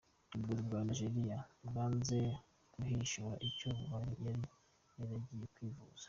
Ubuyobozi bwa Nigeria bwanze guhishura icyo Buhari yari yaragiye kwivuza.